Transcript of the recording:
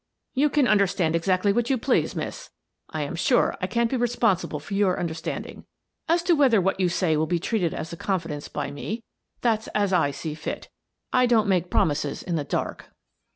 " You can understand exactly what you please, Miss. I am sure I can't be responsible for your understanding. As to whether what you say will be treated as a confidence by me, that's as I see fit I don't make promises in the dark."